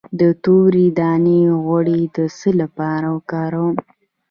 د تورې دانې غوړي د څه لپاره وکاروم؟